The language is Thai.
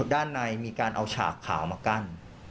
ด้านในมีการเอาฉากขาวมากั้น